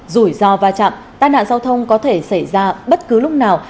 rủi ro va chạm tai nạn giao thông có thể xảy ra bất cứ lúc nào